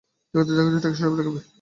জগতে যা-কিছু টেকসই সবই থাকবে।